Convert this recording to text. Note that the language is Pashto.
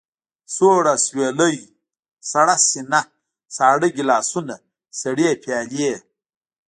سوړ اسوېلی، سړه سينه، ساړه ګيلاسونه، سړې پيالې.